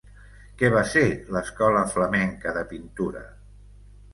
Què va ser l'escola flamenca de pintura?